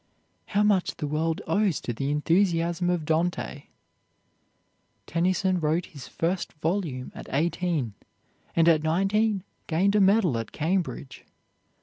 How much the world owes to the enthusiasm of Dante! Tennyson wrote his first volume at eighteen, and at nineteen gained a medal at Cambridge.